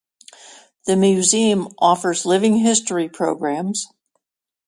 The museum also offers living history programs.